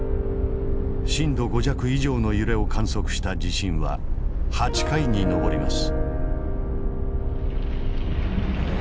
震度５弱以上の揺れを観測した地震は８回に上ります。